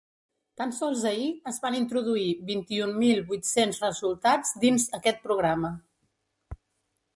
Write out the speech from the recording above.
Tan sols ahir es van introduir vint-i-un mil vuit-cents resultats dins aquest programa.